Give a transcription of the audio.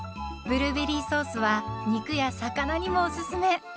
ブルーベリーソースは肉や魚にもおすすめ。